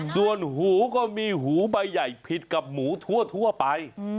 ส่วนหูก็มีหูใบใหญ่ผิดกับหมูทั่วไป